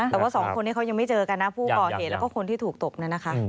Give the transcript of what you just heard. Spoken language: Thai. แต่ว่าสองคนนี้เขายังไม่เจอกันนะผู้ก่อเหตุแล้วก็คนที่ถูกตบเนี่ยนะคะ